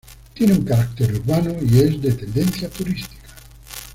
Tiene un carácter urbano y es de tendencia turística.